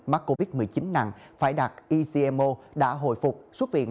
mắc covid một mươi chín nặng phải đặt ecmo đã hồi phục xuất viện